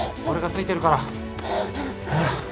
俺がついてるから。